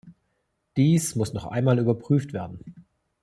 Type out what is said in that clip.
Dies muss noch einmal überprüft werden.